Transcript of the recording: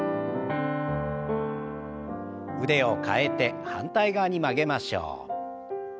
腕を替えて反対側に曲げましょう。